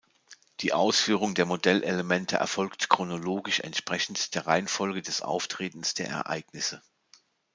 Die Ausführung der Modellelemente erfolgt chronologisch entsprechend der Reihenfolge des Auftretens der Ereignisse.